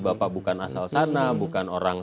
bapak bukan asal sana bukan orang